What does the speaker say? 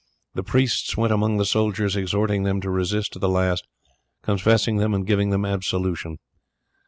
The priests went among the soldiers exhorting them to resist to the last, confessing them, and giving them absolution.